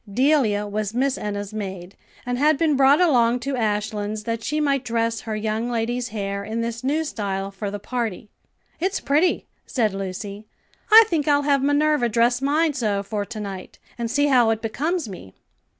Delia was Miss Enna's maid, and had been brought along to Ashlands that she might dress her young lady's hair in this new style for the party. "It's pretty," said Lucy. "I think I'll have Minerva dress mine so for to night, and see how it becomes me."